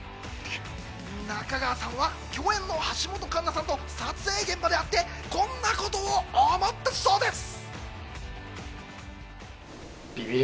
中川さんは共演の橋本環奈さんと撮影現場で会ってこんなことを思ったそうです。